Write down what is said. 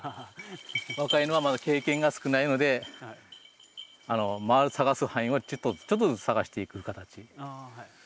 若い犬はまだ経験が少ないので回る探す範囲をちょっとずつちょっとずつ探していく形。